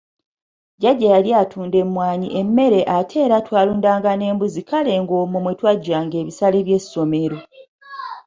Jjajja yali atunda emmwanyi, emmere ate era twalundanga n'embuzi kale ng'omwo mwe tuggya ebisale by'essomero.